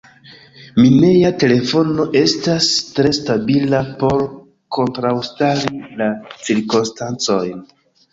Mineja telefono: estas tre stabila por kontraŭstari la cirkonstancojn.